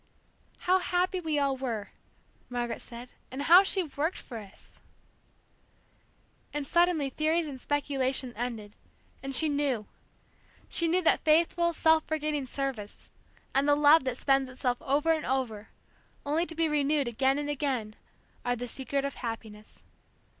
"How happy we all were!" Margaret said; "and how she worked for us!" And suddenly theories and speculation ended, and she knew. She knew that faithful, self forgetting service, and the love that spends itself over and over, only to be renewed again and again, are the secret of happiness.